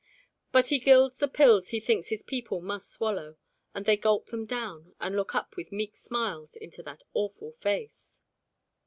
But he gilds the pills he thinks his people must swallow, and they gulp them down and look up with meek smiles into that awful face.